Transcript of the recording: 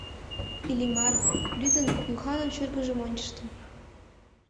Иллимар, лӱдын, Юханын шӱргыжым ончышто.